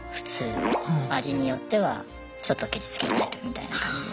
味によってはちょっとケチつけられるみたいな感じで。